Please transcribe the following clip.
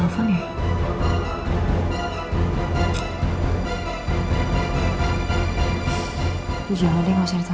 mau ketelpon ya